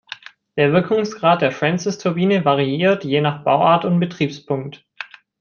Der Wirkungsgrad der Francis-Turbine variiert je nach Bauart und Betriebspunkt.